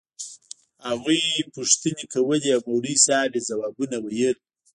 هغوى پوښتنې کولې او مولوي صاحب يې ځوابونه ويل.